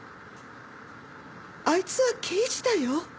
あいつは刑事だよ。